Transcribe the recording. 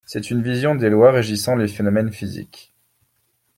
C'est une vision des lois régissant les phénomènes physiques